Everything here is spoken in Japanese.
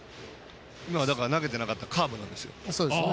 投げたなかったカーブなんですよ。